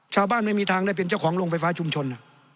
ไม่มีทางได้เป็นเจ้าของโรงไฟฟ้าชุมชน